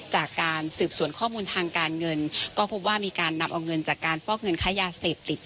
จากการสืบสวนข้อมูลทางการเงินก็พบว่ามีการนำเอาเงินจากการฟอกเงินค้ายาเสพติด